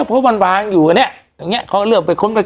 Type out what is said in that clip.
เพราะว่ามันวางอยู่อ่ะเนี้ยตรงเนี้ยเขาเลือกไปค้นไปแคะ